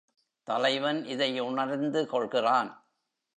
தலைவன் இதை உணர்ந்து கொள்கிறான்.